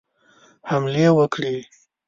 حملې وکړي.